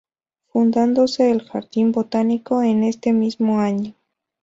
Fundándose el jardín botánico en este mismo año.